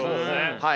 はい。